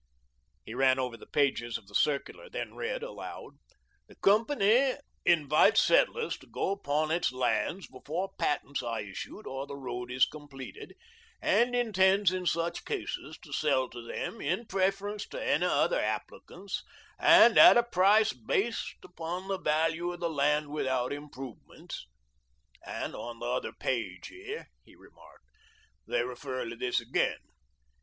He ran over the pages of the circular, then read aloud: "'The Company invites settlers to go upon its lands before patents are issued or the road is completed, and intends in such cases to sell to them in preference to any other applicants and at a price based upon the value of the land without improvements,' and on the other page here," he remarked, "they refer to this again.